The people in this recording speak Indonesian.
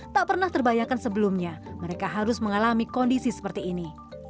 tak pernah terbayangkan sebelumnya mereka harus mengalami kondisi seperti ini